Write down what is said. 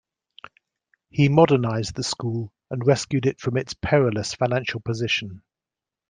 He modernised the school and rescued it from its perilous financial position.